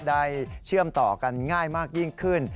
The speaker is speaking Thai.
เชื่อมต่อกันง่ายมากยิ่งขึ้น